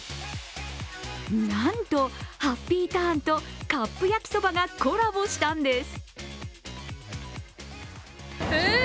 なんとハッピーターンとカップ焼きそばがコラボしたんです。